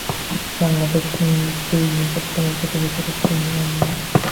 বাংলাদেশের দুই নিকটতম প্রতিবেশীর একটি মিয়ানমার।